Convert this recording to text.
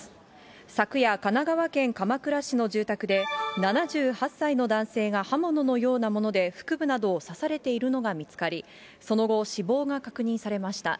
昨夜、神奈川県鎌倉市の住宅で、７８歳の男性が刃物のようなもので腹部などを刺されているのが見つかり、その後、死亡が確認されました。